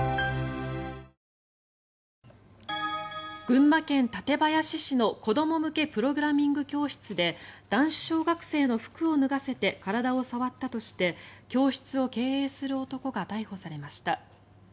群馬県館林市の子ども向けプログラミング教室で男子小学生の服を脱がせて体を触ったとして教室を経営する男が逮捕されました。